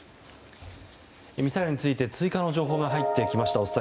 ミサイルについて追加の情報が入ってきました。